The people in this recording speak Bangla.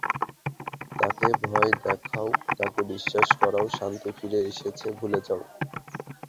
তাকে ভয় দেখাও, তাকে বিশ্বাস করাও শান্তি ফিরে এসেছে, ভুলে যাও।